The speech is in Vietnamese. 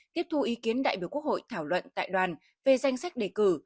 tiếp thu ý kiến đại biểu quốc hội thảo luận tại đoàn về danh sách đề cử